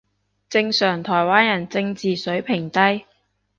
正常台灣人正字水平低